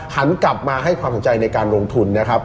หันกลับมาให้ความสนใจในการลงทุนนะครับ